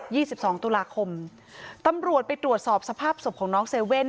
ี่สิบสองตุลาคมตำรวจไปตรวจสอบสภาพศพของน้องเซเว่น